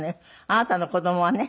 「あなたの子供はね